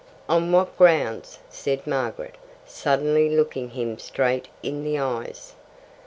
"On what grounds?" said Margaret, suddenly looking him straight in the eyes.